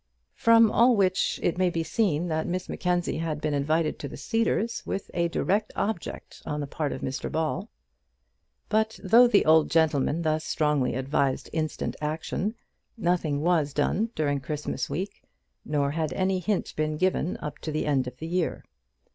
From all which it may be seen that Miss Mackenzie had been invited to the Cedars with a direct object on the part of Mr Ball. But though the old gentleman thus strongly advised instant action, nothing was done during Christmas week, nor had any hint been given up to the end of the year.